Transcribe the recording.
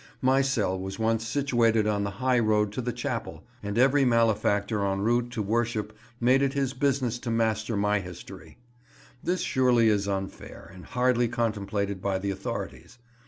My cell was once situated on the high road to the chapel, and every malefactor en route to worship made it his business to master my history. This surely is unfair, and hardly contemplated by the authorities.